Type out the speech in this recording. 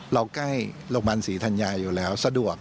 ใกล้โรงพยาบาลศรีธัญญาอยู่แล้วสะดวก